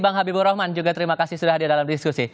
bang habibur rahman juga terima kasih sudah hadir dalam diskusi